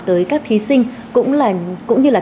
tới các thí sinh cũng như là